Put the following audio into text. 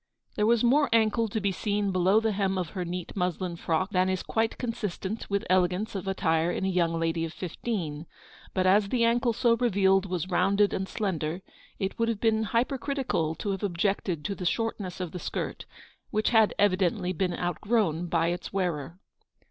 There was more GOING HOME. 3 ankle to be seen below the hem of her neat muslin frock than is quite consistent with ele gance of attire in a young lady of fifteen ; but as the ankle so revealed was rounded and slender, it would have been hypercritical to have objected to the shortness of the skirt, which had evidently been outgrown by its wearer.